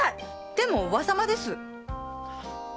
でも「おば様」です。